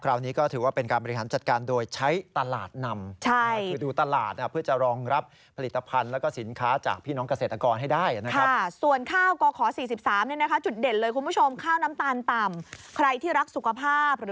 คราวนี้ก็ถือว่าเป็นการบริหารจัดการโดยใช้ตลาดนำ